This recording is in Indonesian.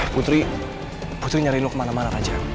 putri putri nyari lu kemana mana raja